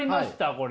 これ。